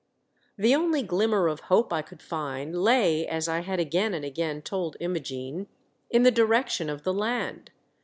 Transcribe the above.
The only glimmer of hope I could find lay, as I had again and again told Imogene, in the direction of the land.